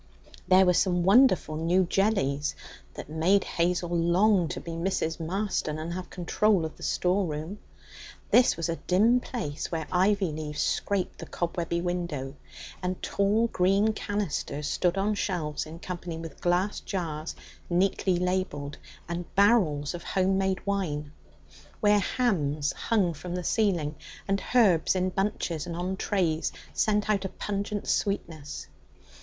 There were some wonderful new jellies that made Hazel long to be Mrs. Marston and have control of the storeroom. This was a dim place where ivy leaves scraped the cobwebby window, and tall green canisters stood on shelves in company with glass jars, neatly labelled, and barrels of home made wine; where hams hung from the ceiling, and herbs in bunches and on trays sent out a pungent sweetness.